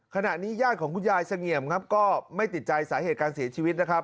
ขณะนี้ญาติของคุณยายเสงี่ยมครับก็ไม่ติดใจสาเหตุการเสียชีวิตนะครับ